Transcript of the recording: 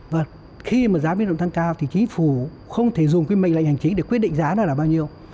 và khi mà giá biến động tăng cao thì chính phủ không thể dùng cái mệnh lệnh hành chính để quyết định giá đó là bao nhiêu